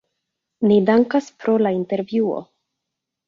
Ni dankas pro la intervjuo.